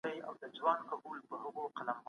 شراب پلورل یو پخوانی کسب دی.